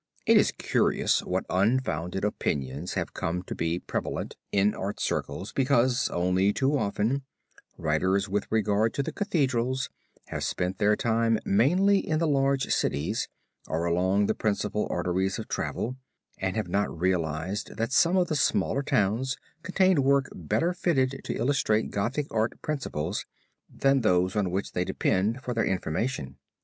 It is curious what unfounded opinions have come to be prevalent in art circles because, only too often, writers with regard to the Cathedrals have spent their time mainly in the large cities, or along the principal arteries of travel, and have not realized that some of the smaller towns contained work better fitted to illustrate Gothic Art principles than those on which they depended for their information.